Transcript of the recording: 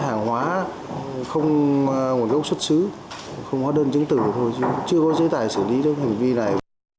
không có một gốc xuất xứ không có đơn chứng tử chưa có giới tài xử lý được hành vi này